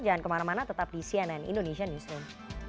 jangan kemana mana tetap di cnn indonesian newsroom